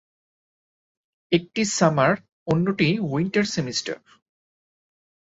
একটি সামার, অন্যটি winter semester.